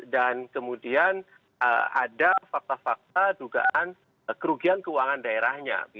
dan kemudian ada fakta fakta dugaan kerugian keuangan daerahnya